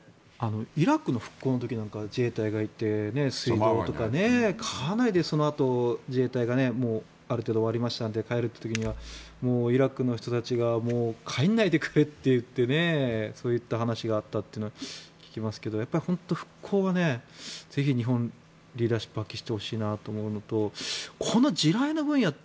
イラクの復興の時なんか自衛隊が行って、水道とかねかなりそのあと自衛隊がある程度終わりましたので帰るという時にはイラクの人たちが帰らないでくれとそういった話があったというのは聞きますが復興はぜひ日本がリーダーシップを発揮してほしいなと思うのとこの地雷の分野